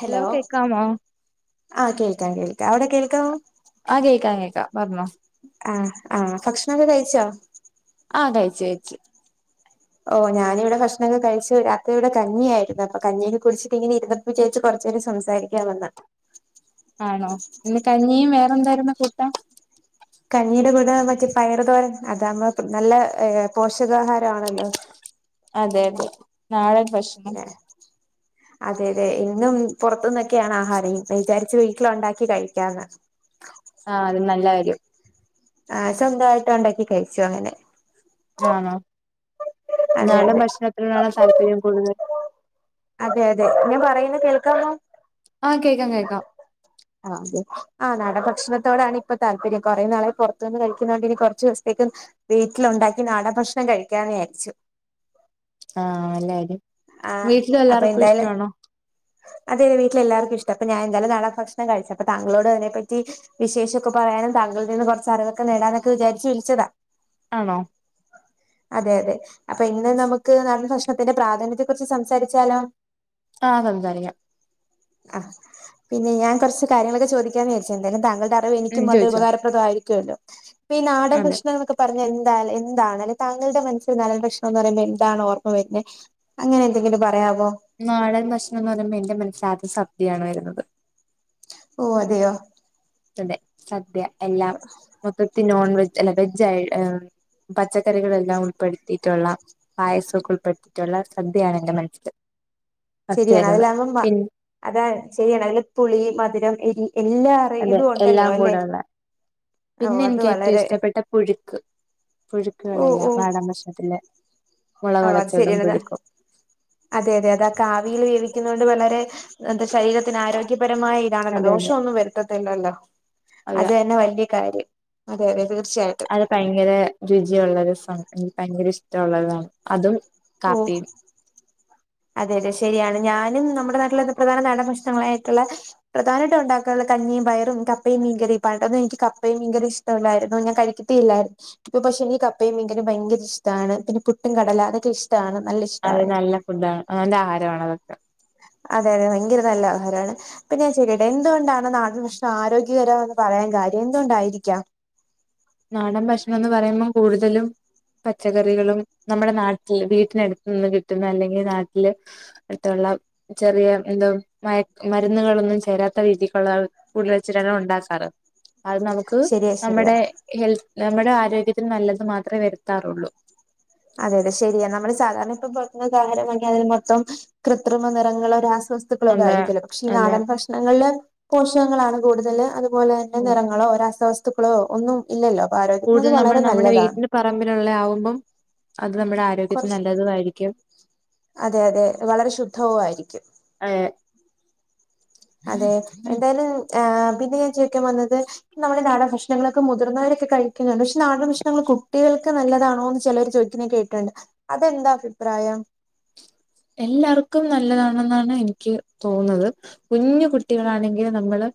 Hello ആഹ് കേൾക്കാം കേൾക്കാം അവിടെ കേൾക്കാമോ ആഹ് കേൾക്കാം കേക്കാം പറഞ്ഞോ ആഹ് ആഹ് ഭക്ഷണൊക്കെ കഴിച്ചോ ആഹ് കയ്ച്ച് കയ്ച്ച് ഓ ഞാനിവിടെ ഭക്ഷണൊക്കെ കഴിച്ചു രാത്രി ഇവിടെ കഞ്ഞി ആയിരുന്നു അപ്പൊ കഞ്ഞിയ കുടിച്ചിട്ട് ഇങ്ങെ ഇരു വിജാരിച്ച് കൊറച്ചേരം സംസാരിക്കാ വന്ന ആണോ ഇന്ന് കഞ്ഞിയും വേറെ എന്തായിരുന്നു കൂട്ടാൻ കഞ്ഞീടെ കൂട മറ്റേ പയറ് തോരൻ അതാമ്മ നല്ല പോഷകാഹാരമാണല്ലോ അതെ അതെ നാളെ [unintelligible] അതെ അതെ ഇന്നും പുറത്തു നിന്നൊക്കെയാണ് ആഹാരം വിചാരിച്ചു വീട്ടില ഉണ്ടാക്കി കഴിക്കാന്ന് ആഹ് അത് നല്ല കാര്യം ആഹ് സ്വന്തമായിട്ട് ഉണ്ടാക്കി കഴിച്ചു ളും ഞാൻ ആണോ അതെ നാടൻ അതെ ഭക്ഷണത്തിനാണ താല്പര്യം കൂടുതൽ അതെ അതെ ഞാൻ പറയുന്ന കേൾക്കാമോ ആഹ് കേക്കാം കേക്കാം [inaudible] ആ് അതെ ആ് നട ഭക്ഷണത്തോടാണ് ഇപ്പൊ താല്പര്യം കൊറെ നാളെ പുറത്തുന്ന് കഴിക്കുന്നോണ്ട് ഇനി കുറച്ച് ദിവസത്തേക്കക്ക് വീട്ടിലുണ്ടാക്കി നാടൻ ഭക്ഷണം കഴിക്കാന്ന് വിജാരിച്ചു ആഹ നല്ല കാര്യം ആ വീട്ടിൽ അപ്പൊ എന്തായാലും അതെന്റെ വീലെല്ലാവർക്കുംഷ്ട അപ്പ ഞാൻ എന്തായാല നടൻ ഭക്ഷണം കിച്ച അപ്പൊ തങ്കോടതിനെപ്പറ്റി വിശേഷംക്കെ പറയാനും താങ്കളിൽ നിന്ന് കുറച്ച്റിവൊക്കെ നേടാനൊക്കെ വിചാരിച്ചു വിളിച്ചതാ ആണോ അതെ അതെ അപ്പൊ ഇന്ന് നമുക്ക് നടാൻ ഭക്ഷണത്തിന്റെ പ്രാധാന്യത്തെ കുറിച്ച് സംസാരിച്ച ച്ചല ആഹ് സംസാരിക്കാം ആഹ് പിന്നെ ഞാൻ കുറച്ച് കാര്യങ്ങളൊക്കെ ചോദിക്കാന്ന് വിചാച്ചാ എന്തായാലും താങ്കളുടെ ഉം എനിക്കും വളരെ ചോദിച്ചോ ഉപകാരപ്രദമായിരിക്കുമല്ലോഈ നാടൻ അതെ ഭശ്ണങ്ങളൊക്കെ പറഞ്ഞ എന്താ എന്താണ് അല്ലെ താങ്കളുടെ മനസ്സിൽ നല്ല ഭക്ഷണം എന്ന് പറയുമ്പോ എന്താണ് ഓർമ്മ വരുന്നുന്നത് അങ്ങനെ എന്തെങ്കിലും പറയാവോ നാടൻ ഭക്ഷണം എന്ന് പറയുമ്പോ എന്റെ മനസ്സിലാദ്യം സദ്യയാണ് വരുന്നത് ഓ അതെയോ അതെ സദ്യ എല്ലാം മൊത്തത്തിൽ നോൺ വെജ് അല്ല വെജ് ആയി ആഹ് പച്ചക്കറികളെല്ലാം ഉൾപ്പെടുത്തിയിട്ടുള്ള പായസമൊക്ക ഉൾപ്പെടുത്തിയിട്ടുള്ള സദ്യയാണ് എന്റെ മനസ്സിൽ ഫസ്റ്റ് ശരിയാണ് വരുന്നത് അതിലാകുമ്പോ പിൻ അതാണ് ശരിയാണ് അതില് പുളി മധുരം എരി എല്ലാ അതെ ഇതും ഒണ്ടല്ലോ എല്ലാം അല്ലെ കൂടെ ഉള്ള ഓ പിന്നെ അത് എനിക്ക് ഏറ്റവും വളരെ ഇഷ്ടപ്പെട്ട പുഴുക്ക് ഓ ഓ പുഴുക്കുകളെല്ലാം നാടൻ ഭക്ഷണത്തിലെ ഓ അത് മുളകുടച്ചതും ശരിയാണത് പുഴുക്കും അതെ അതെ അതക്കാവിയിൽ വേവിക്കുന്ന കൊണ്ട് വളരെ എന്താ ശരീരത്തിന് ആരോഗ്യപരമായ താണല്ലോ അത് തന്നെ ദോഷം ഒന്നും വരുത്തത്തില്ലല്ലോ അയ്യ അത് തന്നെ വല്യ കാര്യം അതെ അത തീർച്ചയായിട്ടും അത് ഭയങ്കര രുചിയുള്ള ഒരു സാധനമാണ് ഭയങ്കര ഇഷ്ടമുള്ളതാണ് അതും ഓഹ് കാപ്പിയും അതെ അതെ ശരിയാണ് ഞാനും നമ്മുടെ നാട്ടില പ്രധാന നാടൻ ഭക്ഷണങ്ങളായിട്ടുള്ള പ്രധാനമായിട്ടും ഉണ്ടാക്കാറുള്ള കഞ്ഞിയും പയറും കപ്പയും മീൻ കറി പണ്ടൊന്നും എനിക്ക് കപ്പയും മീൻ കറി ഇഷ് ഷ്ടല്ലായിരുന്നു ഞാൻ കഴിക്കത്തില്ലായിരുന്നു ഇപ്പൊ പക്ഷെ എനിക്ക് കപ്പയും മീൻ കറി ഭയങ്കര ഇഷ്ടമാണ് പിന്നെ പുട്ടും കടല അതൊക്കെ ഇഷ് ഷ്‌ടാണ് നല്ല അതെ ഇഷ്ടമാണ് നല്ല ഫുഡ് ആണ് നല്ല ആഹാരമാണ് അതൊക്കെ അതെ അതെ ഭയങ്കര നല്ല ആഹാരാണ് അപ്പൊ ഞാൻ ചോയ്ക്കട്ടെ എന്തുകൊണ്ടാണ് നാടൻ ഭക്ഷണം ആരോഗ്യകരമാന്ന് പറയാൻ കാര്യം എന്തുകൊണ്ടായിരിക്കാം നാടൻ ഭക്ഷണം എന്ന് പറയുമ്പോം കൂടുതലും പച്ചക്കറികളും നമ്മുടെ നാട്ടിൽ വീട്ടിനടുത്ത് നിന്ന് കിട്ടുന്ന അല്ലെങ്കിൽ നാട്ടില് അടുത്തുള്ള ചെറിയ എന്തോ മ മരുന്നുകളൊന്നും ചേരാത്ത രീതിക്കുള്ള ഉരുളി വെച്ചിട്ടാണേ ഉണ്ടാക്കാറ് അത് നമുക്ക് ശരിയാ ശരിയാ നമ്മുടെ ഹെൽത്ത് നമ്മുടെ ആരോഗ്യത്തിന് നല്ലത് മാത്രേ വരുത്താറുള്ളൂ അതെ അതെ ശരിയാ നമ്മള് സാധാരണ ഇപ്പൊ പൊറത്തൂന്നൊക്കെ ആഹാരം വാങ്ങിക്കുവാന്നേ അതിൽ മൊത്തം കൃത്രിമ നിറങ്ങളോ രാസവസ് സ്തുക്കളൊക്കെ അതെ ആയിരിക്കുമല്ലോ പക്ഷെ ഈ അതെ നാൻ ഭക്ഷങ്ങളില് പോഷകങ്ങളാണ് കൂടുതല് അത് അതുപോലെ തന്നെ നിറങ്ങളോ രസവസ്തുക്കളോ ഒന്നും ഇല്ലല്ലോ അപ്പ ആരോഗ്യത്തിന് അത് കൂടുതൽ നമ്മൾ വളരെ നമ്മുടെ നല്ലതാ വീട്ടിന്റെ പറമ്പിലുള്ള ആവുമ്പോം അത് നമ്മുടെ ആ കുറച്ച് അതെ അതെ വളരെ ശുദ്ധവും ആയിരിക്കും ഏഹ് അതെ എന്തായാലും ആ പിന്നെ ഞാൻ ചോയിക്കാൻ വന്നത് നമ്മുടെ നാടാൻ ഭക്ഷണങ്ങളൊക്കെ മുതിർന്നവരൊക്കെ കഴിക്കുന്നുണ്ട് പക്ഷെ നാടൻ ഭക്ഷണങ്ങൾ കുട്ടികൾക്ക് നല്ലാതാണോന്ന് ചിലര് ചോദി ഇങ്ങനെ കേട്ടിണ്ട് അതെന്താ അഫിപ്രായം എല്ലാവർക്കും നല്ലതാണെന്നാണ് എനിക്ക് തോന്നുന്നത് കുഞ്ഞു കുട്ടികളാണെങ്കിലും നമ്മള്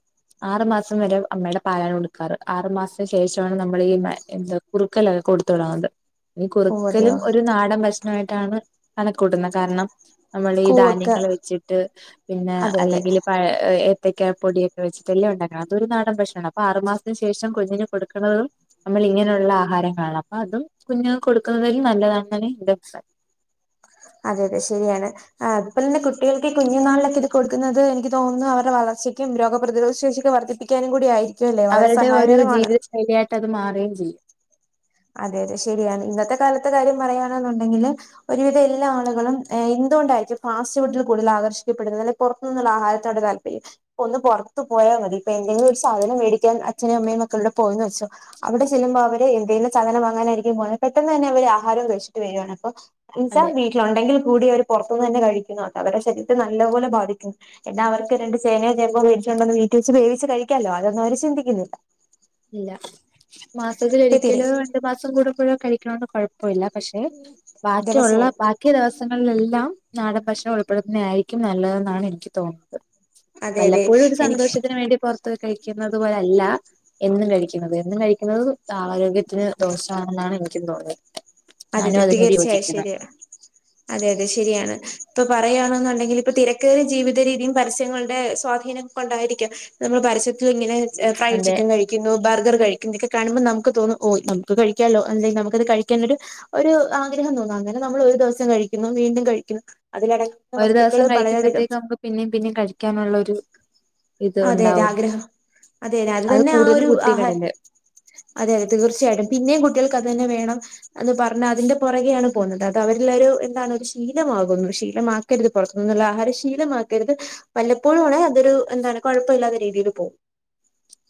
ആറു മാസം വരെ അമ്മയുടെ പാലാണ് കൊടുക്കാറ് ആറു മാസത്തിന് ശേഷമാണ് നമ്മൾ ഈ മ എന്തോ കുറുക്കല്ലേ കൊടുത്ത് തുടങ്ങുന്നത് ഈ ഓ കുറുക്കലും അതെയോ ഒരു നാടൻ ഭക്ഷണമായിട്ടാണ് കണക്കൂട്ടുന്നത് കാരണം നമ്മൾ ഈ കൂവക്ക ധാന്യങ്ങള് വെച്ചിട്ട് പിന്നെ അതെ അതെ അല്ലെങ്കിൽ പ ഏത്തയ്ക്ക പൊടിയൊക്കെ വെച്ചിട്ട് എല്ലാം ഉണ്ടാക്കണം അതൊരു നാടൻ ഭക്ഷണമാണ് അപ്പൊ ആറുമാസത്തിന് ശേഷം കുഞ്ഞിന് കൊടുക്കുന്നതും നമ്മള് ഇങ്ങനുള്ള ആഹാരങ്ങളാണ് അപ്പൊ അതും കുഞ്ഞുങ്ങൾക്ക് കൊടുക്കുന്നതിൽ നല്ലതാണെന്ന് എന്റെ അഭിപ്രായം അതെ അതെ ശെരിയാണ് ആ അതുപോലന്നെ കുട്ടികൾക്ക് കുഞ്ഞുനാളിലൊക്കെ ഇത് കൊടുക്കുന്നത് എനിക്ക് തോന്നുന്നു അവരുടെ വളർച്ചയ്ക്കും രോഗപ്രതിരോധ ശേഷിയൊക്കൊ വർധിപ്പി പ്പിക്കാനും കൂടിയയിരിക്കും അല്ലെ വളരെ സഹായകരമാണ് ശരിയായിട്ട് അത് മാറുകയും ചെയ്യും അതെ അതെ ശെരിയാണ് ഇന്നത്തെ കാലത്തെ കാര്യം പറയാണെന്നുണ്ടെങ്കില് ഒരുവിധ എല്ലാ ആളുകളും എന്തുകൊണ്ടായിരിക്കും ഫാസ്റ്റ് ഫുഡിൽ കൂടുതൽ ആകർഷിക്കപ്പെടുന്നത് പുറത്തു നിന്നുള്ള ആഹാരത്തോടെ താല്പര്യം ഒന്ന് പുറത്ത പോയാൽ മതി ഇപ്പൊ എന്തെങ്കിലും ഒരു സാധനം മേടിക്കാൻ അച്നും അമ്മയും ഒക്കളൂടെ പോയന്ന് വെച്ചോ അവിടെ ചെല്ലുമ്പോ അവര് എന്തേലും സാധനം വാങ്ങാനായിരിക്കും പോകുനത് പെട്ടെന്ന് തന്നെ അവര് ആഹാരം കഴിച്ചിട്ട് വരുകയാണ് എന്ന് വച്ചാ അതെ വി ട്ടിൽ ഉണ്ടെങ്കിൽ കൂടി അവര് പുറത്തു നിന്ന് തന്നെ കഴിക്കുന്നു അ അവടെ ശരീരത്തെ നല്ലപോലെ ബാധിക്കുന്നു എന്നാ അവർക്ക് രണ്ട് ചേനയോ ചേമോേടിച്ചോണ്ടന്ന് വീട്ട വെച്ച് വേവിച്ച് കഴിക്കാാലോ അതൊന്നും അവ ചിതിക്കുന്നില്ല ഇല്ല മാസത്തിലൽ ഇപ്പ തിരെ ഒരിക്കലോ രണ്ടു മാസം കൂടെമ്പഴോ കഴിക്കണന്ന് കുഴപ്പ ഴപ്പമില്ല പക്ഷെ ബാക്കിയുള്ള ദിവസവും ബാക്ക മുക്ക്യ ദിവസങ്ങളിലെല്ലാം നാടൻ ഭക്ഷണം ഉളൾപ്പെടുത്തുന്ന ആയിരിക്കും നല്ലതെന്നാണ് എനിക്ക് തോന്നുന്നത് അതെ അതെ വല്ലപ്പോഴും ഒരു എനിക്ക് സന്തോഷത്തിനന് വേണ്ടി പുറത്ത് പോയി കഴിക്കുന്നത് പോലെ അല്ല എന്നും കഴിക്കുന്നത് എന്നും കഴിക്കുന്നത് ആരോഗ്യത്തിന് ദോഷമാണെന്നാണ് എനിക്കും തോന്നുന്നത് അതെതെ തീർച്ചയായും ശരിയ അതെ അതെ ശരിയാണ് ഇപ്പൊ പറയുകയാണെന്നുണ്ടെങ്കിൽ ഇപ്പ തിരക്കേറി ജീവിത രീതിയും പരസ്യങ്ങളുടെ സ്വാധീനം കൊണ്ടായിരിക്കാം നമ്മൾ പരസ്യത്ത് ഇങ്ങനെ ഫ്രൈഡ് അതെ ചിക്കൻ കഴിക്കും കിക്കുന്നു ബർഗർ കഴിക്കുന്നൊക്കെ കാണുമ്പോ നുക്ക് തോന്ന ഓ നമക്ക് കഴിക്കാാലോ അല്ലെങ്ക നമുക്കത് കഴിക്കാനൊരു ഒരു ആഗ്രഹം തോന്നുന്നു അങ്ങനെ നമ്മൾ ഒരു ദിവസം കഴിക്കുന്നു വീണ്ടും കഴിക്കുന്നു അതിലട ഒരു ദിവസം കഴിക്കുമ്പോഴത്തേക്ക് നമുക്ക് പിന്നേും പിന്നേും കഴിക്കാനുള്ള ഒരു ഇത് അതെ അതെ ഉണ്ടാവും ആഗ്രഹം അതെതെ അത് തന്നെ ആ കൂടുതലും ഒരു ആഹാരം കുട്ടികളില് അതെ അതെ തീർച്ചയായിട്ടും പിന്നെയും കുട്ടികൾക്ക് അത് തന്നെ വേണം എന്ന് പറഞ്ഞ അതിന്റെ പുറകെയാണ് പോകുന്നത് അത് അവരെല്ല ഒരു എന്താണ് ഒരു ശീലമാകുന്നു ശീലമാ ആകരുത് പുറത്തുനിന്ന ആഹാരം ശീലമാക്കരുത് വല്ലപ്പോഴണ അതൊരു എന്ത കുഴപ്പമില്ലാത്ത രീതിയിൽ പോകും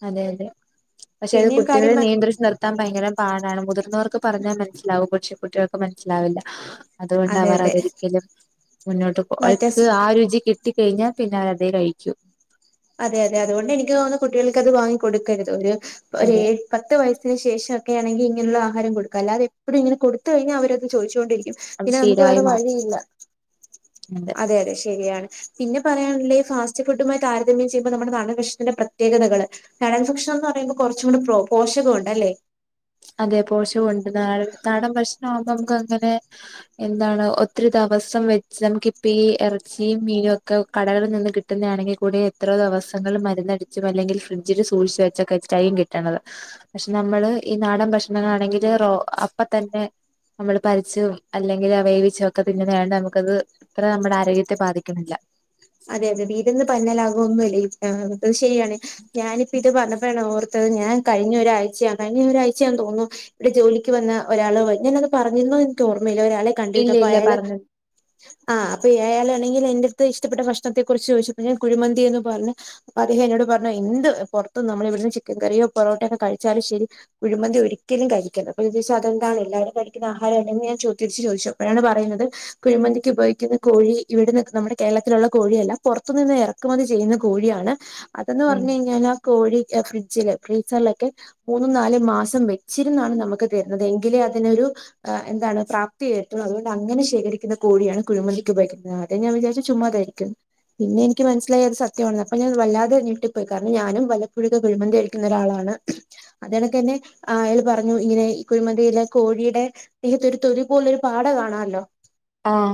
അതെ അതെ പക്ഷെ അത് പിന്നെയും കുട്ടികളെ കാര്യം പറ നിയന്ത്രിച്ച് നിർ ത്താൻ ഭയങ്കര പാടാണ് മുതിർന്നവർക്ക് പറഞ്ഞാൽ മനസ്സിലാവും പക്ഷെ കുട്ടികൾക്ക് മനസ്സിലാവില്ല അതുകൊണ്ട് അതെ അവർ അതെ അതൊരിക്കലും മുന്നോട്ട് മാറ്റാ അവക്ക് ആ രുചി കി ക്കിട്ടി കഴിഞ്ഞാൽ പിന്ന അവര് അതെ കഴിക്കു അതെ അതെ അതുകൊണ്ട് എനിക്ക് തോന്നുന്ന കുട്ടികൾക്ക് അത് വാങ്ങി കൊടുക്കരുത് ഒരു ഒരോ അതെ പത്ത് വയസ്സിന് ശേഷം ഒക്കെ ആണെങ്കിൽ ഇങ്ങനെയ ആഹാരം കൊടുക്ക അല്ലതെ എപ്പോഴും ഇങ്ങനെ കൊടുത്ത കഴിഞ്ഞാ അവരത് ചോദിച്ചു കെണ്ട് ഇരിക്കും അത് പിന്നെ നമുക്ക് ശീലമായി വേറെ വഴിയില്ല മാറുന്നുണ്ട് അതെ അതെ ശരിയാണ് പിന്നെ പറയാനുള്ള ഈ ഫാസ്റ്റ് ഫുഡുമായി് താരതമ്യം ചെയ്യുമ്പോ നമ്മുടെ നാട് ഭഷണത്തിന്റെ പ്രത്യേകതകള് നാടൻ ഭക്ഷണം എന്ന് പറയുമ്പോൾ കുറച്ചും കൂടി പോഷകം ഉണ്ട് അല്ലേ അതെ പോശവുണ്ട് നാ നാടൻ പ്രശ്ണം ആവുമ്പോ നമുക്ക് അങ്ങനെ എന്താണ് ഒത്തിരി ദെവസം വെച്ച് നമുക്കിപ്പ ഈ എറച്ചിയും മീനൊക്കെ കടകളിൽ നിന്ന് കിട്ട് കിട്ടുന്നതാണെങ്കി കൂടി എത്ര ദെവസങ്ങൾ മരുന്നടിച്ചും അല്ലെങ്കിൽ ഫ്രിഡ്ജില്സൂക്ഷിച്ച് ക്കെറ്റ്ചായും കിട്ടുന്നത് പക്ഷെ നമ്മള് ഈ നാടൻ ഭക്ഷണാണെങ്കില് റോ അപ്പ തന്നെ നമ്മള് പരിച്ചും അല്ലെങ്കിൽ വേവിച്ചും ഒക്കെ തിന്നുന്ന ആണ് നമുക്കത് ഇത്ര നമ്മുടെ ആരോഗ്യത്തെ ബാധിക്ക്ണില്ല അതെ അതെ പീട്ന്ന് പഞ്ഞാലാകോ ഒന്നുംല്ലേ അത് ശെരിയാണ് ഞാനിപ്പി ത് പറ്ഞ്ഞപ്പോഴാണ് ഓർ അത് ഞാൻ കഴിഞ്ഞ ഒരാഴ്ചയാണ് കഴിഞ്ഞ ഒരാഴ്ചയാന്ന് തോന്ന്ന്നു ഇവടെ ജോലിക്ക് വന്ന് ഒരാള് ഞാനന്ന് അത് പറഞ്ഞിരുന്നു എനിക്ക് ഓർമ്മയില്ല ഒരാളെ ഇല്ല കണ്ടിരുന്നുതൊ അപ്പ ഇല്ല അയാള് പറഞ്ഞു ആഹ് അപ്പം ആയാളാണെങ്കിൽ എൻെ അടുത്ത് ഇഷ്ടപ്പെട്ട ഭക്ഷ്ണത്തെ കുറിച്ച് ചോദിച്ചപ്പോ ഞാൻ കുഴിമന്തി എന്ന് പറഞ് അദ്ദേഹം എന്നോട് പറഞ്ഞു. എന്ത് പൊറ്ത്തും നമ്മൾ ഇവിടുന്ന് ചിക്കൻ കറിയോ പൊറോട്ടയൊക്കെ കഴിച്ചാലും ശരി ഉഴിമന്തി ഒരിക്കലും കഴിക്കര്ത്. അപ്പന്താച്ചാ [unintelligible] അതെന്താണ് എല്ലാരും കഴിക്കുന്ന ആഹാരെന്നെ എന്ന് ഞാൻ ചോദിച്ചു തിരിച്ച് ചോദിച്ചു അപ്പഴാണ് പറയുന്നത് കുഴിമന്തിക്ക് ഉപയോഗിക്കുന്ന കോഴി ഇവിട്ന്നൊക്കെ നമ്മടെ കേരളത്തിലുള്ള കോഴിയല്ല. പൊറത്തു നിന്ന് എറക്കുമതി ചെയ്യുന്ന കോഴിയാണ്. അതെന്ന് ഉം പറഞ്ഞ് കഴിഞ്ഞാല് കോഴി ഫ്രിഡ്ജില് ഫ്രീസറിലൊക്കെ മൂന്നും നാലും മാസം വെച്ചിരുന്നാണ് നമക്ക് തരുന്നത് എങ്കിലേ അതിനൊരു എന്താണ് പ്രാപ്തിയേറ്റും അതുകൊണ്ട് അങ്ങെനെ ശേഖരിക്കുന്ന കോഴിയാണ് കുഴിമന്തിക്ക് ഉപയിക്കുന്നത് ഞാൻ വിചാരി ചുമ്മാ തേരിക്കും പിന്നെ എനിക്ക് മനസിലായി അത് സത്യവാണ്ന്. അപ്പ ഞാൻ വല്ലാതെ ഞെട്ടി പോയി കാര്ണം ഞാനു വലപ്പോഴൊക്കെ കുഴിമന്തി കഴിക്കു ക്കുന്ന ഒരാളാണ്. അതെണെക്കെന്നെ ആഹ് അയാളു പറഞ്ഞു ഇങ്ങനെ കുഴിമന്തിയിലെ കോഴിയിടെ തിയത്തൊരു തൊലി പോലൊരു പാട കാണാലൊ ആഹ്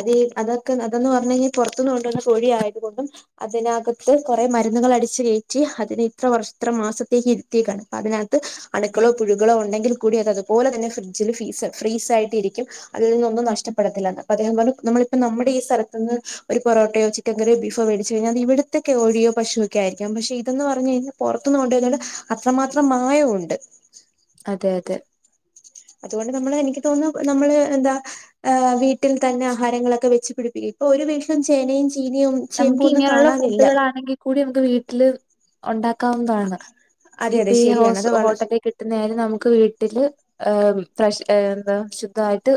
അതീ അതൊക്കെ അതെന്ന് പറഞ്ഞ്കഴിഞ്ഞാ പൊറത്ത്ന്ന് കൊണ്ടുവരുന്ന കോഴി ആയതു കൊണ്ടും അതിനകത്ത് കൊറെ മരുന്നുകളടി ച്ചു കേറ്റി അതിന് ഇത്ര വർഷ ഇത്ര മാസത്തേക്ക് ഇരുത്തിയേക്കാണ്. അപ്പ അതിനകത്ത് അണുക്കളോ പുഴുകളോ ഉണ്ടെങ്കിൽ കൂടി അത് അതുപോലെ തന്നെ ഫ്രിഡ്ജിലു ഫീ ഫ്രീസായിട്ടിരിക്കും അതിൽ നിന്നൊന്നും നഷ്ടപ്പെടത്തില്ലെന്നെ അപ്പം അദ്ദേഹം പറഞ്ഞു നമ്മളിപ്പം നമ്മടെ ഈ സെലത്തിന്ന് ഒരു പൊറോട്ടയോ ചിക്കൻ കറിയോ ബീഫോ മേടിച്ചു കഴിഞ്ഞാൽ അതിവിടുത്തൊക്കെ ഓഴിയോ പശൊ ക്കായിരിക്കാം പക്ഷെ ഇതന്ന് പറഞ്ഞു കഴിഞ്ഞാ പൊറത്തുന്ന് കൊണ്ടുവരുന്നേന്റെ അത്രമാത്രം മായമുണ്ട് അതെ അതെ അതുകൊണ്ട് നമ്മളെ എനിക്ക് തോന്നുന്നു നമ്മളെ എന്താ ഏഹ് വീട്ടിൽ തന്നെ ആഹാരങ്ങളൊക്കെ വെച്ചു പിടിപ്പിക്കും. ഇപ്പൊ ഒരു വീട്ടിലും ചേനയും ചീനിയും ചേമ്പും ഒന്നും നമുക്കിങ്ങനൊള്ള ഫുഡ്ഡു കാണാനില്ല കളാണെങ്കി കൂടി നമുക്ക് വീട്ടില് ഒണ്ടാക്കാവുന്നതാണ് അതെ അതെ ഇപ്പയീ ശരിയാണ് അത് ഹോസ് വള ഹോട്ടലികിട്ടുന്ന ആയാലും നമുക്ക് വീട്ടില് ഏഹ് ഫ്രഷ് ഏഹ് എന്താ ശുദ്ധവായിട്ട്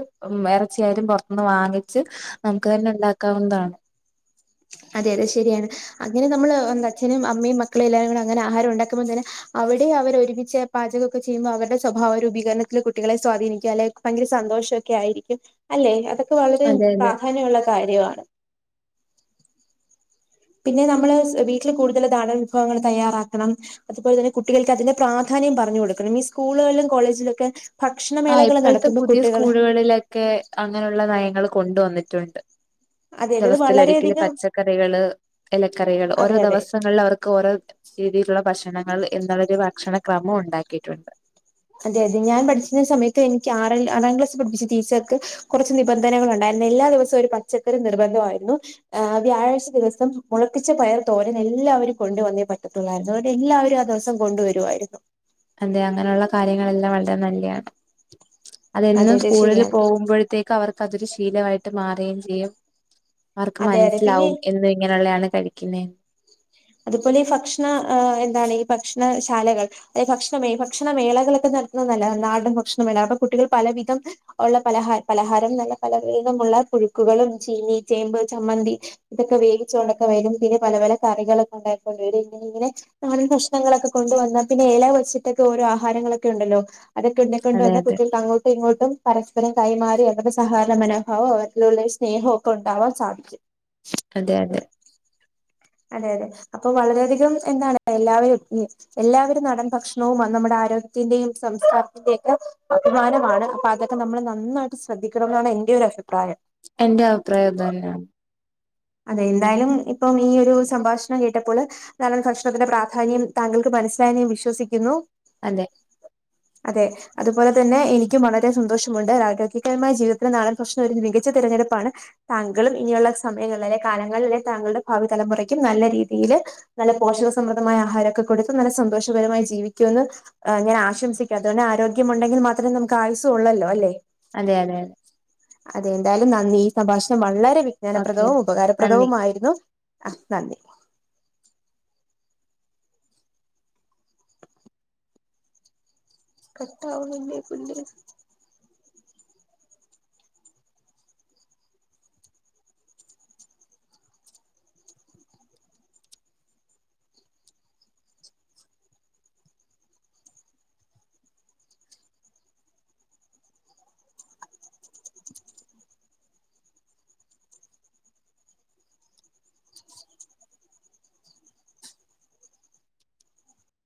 എറച്ചിയായാലും പൊറത്തുന്ന് വാങ്ങിച്ച് നമുക്ക് തന്നെ ഉണ്ടാക്കാവുന്നതാണ് അതെ അതെ ശരിയാണ്. അങ്ങനെ നമ്മള് എന്ത അച്ഛനും അമ്മയും മക്കളും എല്ലാരും കൂടെ അങ്ങനെ ആഹാരം ഉണ്ടാക്കുമ്പ തന്നെ അവിടെം അവരൊരുമിച്ച് പാചൊകെക്കെ ചെയ്യുമ്പം അവര്ടെ സ്വഭാവ രൂപീകരണത്തിൽ കുട്ടികളെ സ്വാധീനിക്കാലെ. ഭയങ്കര സന്തോഷൊക്കെ ആയിരിക്കും. അല്ലെ അതൊക്കെ വളരെ അതെ അതെ പ്രാധാന്യ ഉള്ള കാര്യാണ് പിന്നെ നമ്മള് വീട്ടിലു കൂടുതലു നാടൻ വിഭവങ്ങള് തയ്യാറാക്കണം അതുപോലെ തന്നെ കുട്ടികൾക്ക് അതിന്റെ പ്രാധാന്യം പറഞ്ഞു കൊടുക്കണം. മി സ്കൂളുകളിലും കോളേജിലൊക്കെ ആഹ് ഭക്ഷണമേളകൾ ഇപ്പഴത്തെ നടത്തുമ്പോ പുതിയ കുട്ടികൾ സ്കൂളുകളിലെക്കെ അങ്ങനുള്ള നയങ്ങളു കൊണ്ടുവന്നിട്ടുണ്ട് അതെ അതെ അത് ദെവസത്തിലൊരിക്കില് വളരെയധികം പച്ചക്കറികള് ഇലക്കറികള് അതെ ഓരോ അതെ ദെവസങ്ങളിലവർക്കോരോ രീതിയിലുള്ള ഭക്ഷണങ്ങൾ എന്നുള്ളൊരു ഭക്ഷണക്രമം ഉണ്ടാക്കിയിട്ടുണ്ട് അതെ അതെ ഞാൻ പഠിച്ചിന്ന സമയത്ത് എനിക്ക് ആറെൽ ആറാം ക്ലാസ്സിൽ പഠപ്പിച്ച ടീച്ചർക്ക് കൊറച്ചു നിബന്ധനകളുണ്ടായിരുന്നു. എല്ലാ ദിവസവും ഒരു പച്ചക്കറി നിർബന്ധമായിരുന്നു ആഹ് വ്യാഴാഴ്ച ദെവസം മുളപ്പിച്ച പയർ തോരൻ എല്ലാവരും കൊണ്ടുവന്നേ പറ്റത്തൊള്ളായിരുന്നു അവരെല്ലാവരും ആ ദെവസ് സം കൊണ്ടുവരുവായിരുന്നു അതെ അങ്ങനെയുള്ള കാര്യങ്ങളെല്ലാം വളരെ നല്ലയാണ് അതെ അതെന്നും അതെ സ്കൂളിലെ ശരിയാണ് പോവുമ്പഴത്തേക്ക് അവർക്കതൊരു ശീലവായിട്ട് മാറേം ചെയ്യും അവർക്ക് അതെ അതെ പിന്നെ മൻസ്സിലാവും എന്നും ഇങ്ങനെയുള്ളയാണ് കഴിക്യുന്നേ. അത് പോലെ ഫക്ഷണ ഏഹ് എന്താണ് ഈ ഭക്ഷണശാലകൾ തെ ഭക്ഷണമേ ഭക്ഷണ മേളകളൊക്കെ നടത്തുന്നല്ലതാ നാടൻ ഭക്ഷണമേള അപ്പ കുട്ടികൾ പലവിധം ഒള്ള പലഹാ പലഹാരംന്നല്ല പല വീതമുള്ള പുഴുക്കുകളും, ചീനി, ചേമ്പ്, ചമ്മന്തി, ഇതൊക്കെ വേിച്ചൊണക്ക വരും പിന്നെ പല പല കറികളൊക്കെ ഉണ്ടായിക്കൊണ്ട് വരും ഇങ്ങനിങ്ങനെ നമ്മെളീ ഭക്ഷ്ണങ്ങളൊക്കെ കൊണ്ടു വന്നാ പിന്നെ എല വച്ചിട്ടൊക്കെ ഓരോ ആഹാരങ്ങളൊക്കെ ഉണ്ടല്ലോ അതൊക്കെ ഉണ്ടെങ്കി കൊണ്ടു അതെ വന്നാ അതെ [unintelligible] ഇങ്ങോട്ടും പരസ്പരം കൈമാറി അവരുടെ സഹകരണ മനോഭാവം അവരിലുള്ള സ്നേഹവും ഒക്കെ ഉണ്ടാവാൻ സാധിക്കും. അതെ അതെ. അത അതെ അപ്പം വളരെ അധികം എന്താണ് എല്ലാവരും മ് എല്ലാവരും നാടൻ ഭക്ഷണവും നമ്മുടെ ആരോഗ്യത്തിന്റെയും സംസ്കാരത്തിന്റെയും ഒക്കെ അഭിമാനമാണ് അപ്പ അതൊ ക്കെ നമ്മള് നന്നായിട്ട് സ്രദ്ധിക്കണമെന്നാണ് എന്റെ ഒരു അഭിപ്രായം. എന്റേം അഭിപ്രായോം അത്‌ തന്നെയാണ്. അതെ എന്തായാലും ഇപ്പം ഈ ഒരു സംഭാഷണം കേട്ടപ്പോള് നാടൻ ഫക്ഷണത്തിന്റെ പ്രാധാന്യം താങ്കൾക്ക് മനസ്സിലായെന്നു ഞാൻ വിശ്വസിക്യുന്നു. അതെ അതെ. അതുപോലെ തന്നെ എനിക്കും വളരെ സന്തോഷമുണ്ട് രാഗകിയമായ ജീവിതത്തിൽ നാടൻ ഭക്ഷണം ഒരു മികച്ച തെരഞ്ഞെടുപ്പാണ് താങ്കളും ഇനിയുള്ള സമയങ്ങളിലെ കാലങ്ങളിലെ താങ്കളുടെ ഭാവി തലമുറയ്ക്കും നല്ല രീതിയില് നല്ല പോഷക സമൃദ്മായ ആഹാരൊക്കെ കൊട്ത്ത് നല്ല സന്തോഷപരമായി ജീവിക്കുമന്ന് ആ ഞാൻ ആശംസിക്കാ അതൊണ്ട് ആരോഗ്യമുടെകിൽ മാത്രം നമുക്ക് ആയുസും ഒള്ളൊല്ലോ അല്ലേ? അതെ അതെ. അതെ ന്തായാലും നന്ദി ഈ സംഭാഷണം വളരെ ഓക്കെ വിജ്ഞാനപ്രദവും നന്ദി ഉപകാരപ്രദവുയിരുന്നു. ആഹ് നന്ദി. കട്ടാവൊന്നും ഇല്ലേക്കുംല്ലേ?